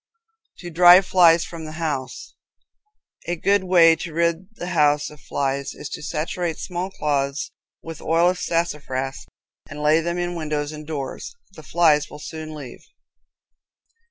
To Drive Flies from the House. A good way to rid the house of flies is to saturate small cloths with oil of sassafras and lay them in windows and doors. The flies will soon leave.